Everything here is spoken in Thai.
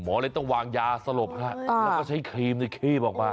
หมอเลยต้องวางยาสลบให้แล้วก็ใช้ครีมที่เคลียบออกมา